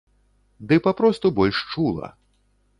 Ды папросту больш чула.